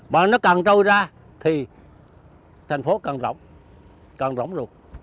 mà nó càng trôi ra thì thành phố càng rỗng càng rỗng rồi